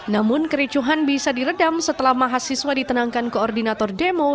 namun kericuhan bisa diredam setelah mahasiswa ditenangkan koordinator demo